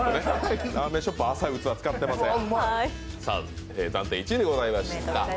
ラーメンショップは浅い器使っていません。